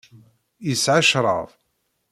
Yesɛa ccṛab.